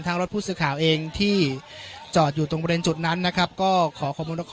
ทั้งรถผู้ซื้อข่าวเองที่จอดอยู่ตรงบริเวณจุดนั้นนะครับก็ขอขอบค์มนุษย์ขอ